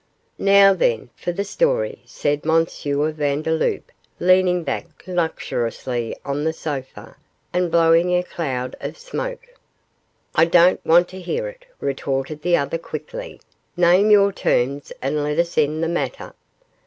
'Now then for the story,' said M. Vandeloup, leaning back luxuriously on the sofa, and blowing a cloud of smoke. 'I don't want to hear it,' retorted the other, quickly; 'name your terms and let us end the matter.